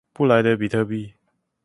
布萊德比特幣